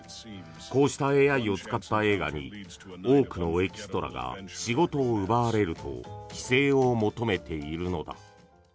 こうしたＡＩを使った映画に多くのエキストラが仕事を奪われると規制を求めているのだ。